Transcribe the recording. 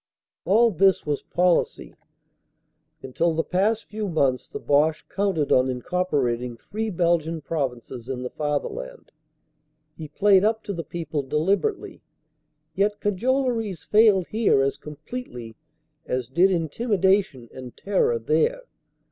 All this was policy. Until the past few months the Boche counted on incorporating three Belgian provinces in the Fatherland. He played up to the people deliberately. Yet cajoleries failed here as completely as did intimidation and terror there.